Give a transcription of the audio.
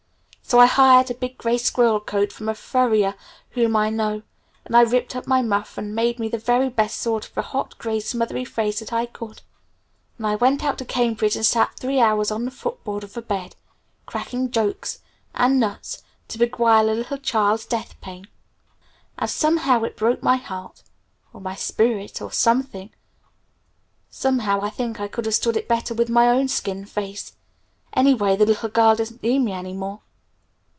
So I hired a big gray squirrel coat from a furrier whom I know, and I ripped up my muff and made me the very best sort of a hot, gray, smothery face that I could and I went out to Cambridge and sat three hours on the footboard of a bed, cracking jokes and nuts to beguile a little child's death pain. And somehow it broke my heart or my spirit or something. Somehow I think I could have stood it better with my own skin face! Anyway the little girl doesn't need me any more.